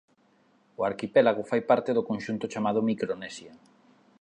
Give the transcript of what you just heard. O arquipélago fai parte do conxunto chamado Micronesia.